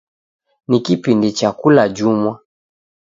Ni kipindi cha kula juma.